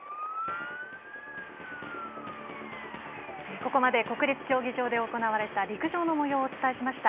ここまで国立競技場で行われた陸上のもようをお伝えしました。